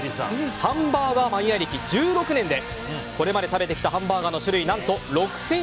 ハンバーガーマニア歴１６年でこれまで食べてきたハンバーガーの種類何と６０００種類。